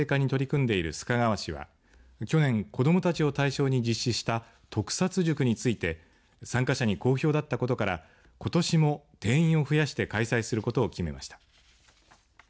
特撮による地域活性化に取り組んでいる須賀川市は去年、子どもたちを対象に実施した特撮塾について参加者に好評だったことからことしも定員を増やして開催することを決めました。